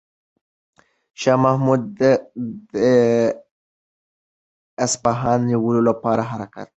شاه محمود د اصفهان د نیولو لپاره حرکت کوي.